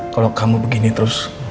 kalo kamu begini terus